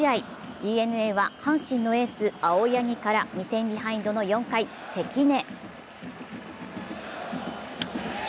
ＤｅＮＡは阪神のエース・青柳から２点ビハインドの４回・関根。